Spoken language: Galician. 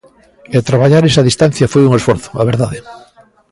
E traballar esa distancia foi un esforzo, a verdade.